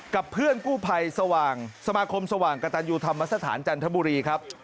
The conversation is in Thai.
กับเพื่อนกู้ภัยสว่างสมาคมสว่างกระตันยูธรรมสถานจันทบุรีครับ